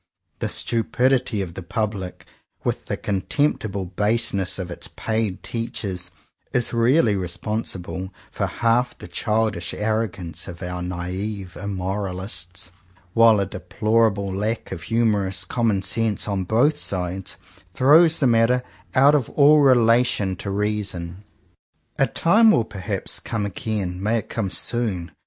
The stupidity of the public, with the contemptible baseness of its paid teachers, is really responsible for half the childish arrogance of our naive immoralists; 167 CONFESSIONS OF TWO BROTHERS while a deplorable lack of humourous com monsense, on both sides, throws the matter out of all relation to reason. A time will perhaps come again — may it come soon!